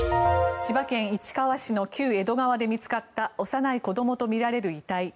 千葉県市川市の旧江戸川で見つかった幼い子どもとみられる遺体。